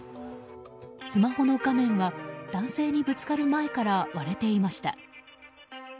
スマホの画面は男性にぶつかる前から割れていました。